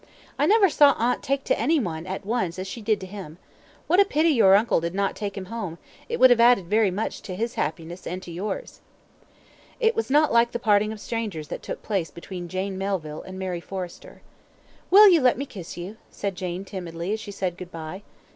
"I never saw aunt take to any one at once as she did to him. What a pity your uncle did not take him home; it would have added very much to his happiness and to yours." It was not like the parting of strangers that took place between Jane Melville and Mary Forrester. "Will you let me kiss you?" said Jane, timidly, as she said good bye.